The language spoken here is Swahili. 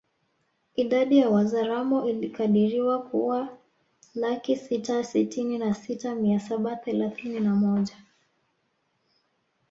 Idadi ya Wazaramo ilikadiriwa kuwalaki sita sitini na sita mia saba thelathini na moja